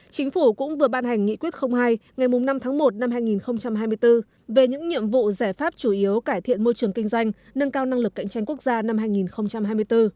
chính phủ cũng vừa ban hành nghị quyết hai ngày năm tháng một năm hai nghìn hai mươi bốn về những nhiệm vụ giải pháp chủ yếu cải thiện môi trường kinh doanh nâng cao năng lực cạnh tranh quốc gia năm hai nghìn hai mươi bốn